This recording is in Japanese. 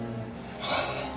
ああ